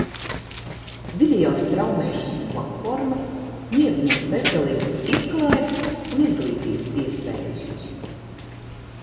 Video straumēšanas platformas sniedz mums bezgalīgas izklaides un izglītības iespējas.